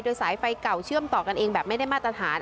โดยสายไฟเก่าเชื่อมต่อกันเองแบบไม่ได้มาตรฐาน